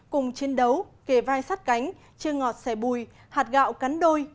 cùng chiến đấu kề vai sát cánh chia ngọt sẻ bùi hạt gạo cắn đôi